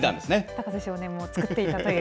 高瀬少年も作っていたという。